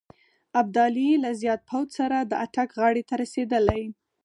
ابدالي له زیات پوځ سره د اټک غاړې ته رسېدلی.